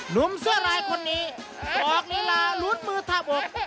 หนุ่มเสื้อลายคนนี้ออกลีลาหลุนมือทาบอก